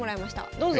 どうぞ。